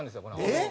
えっ！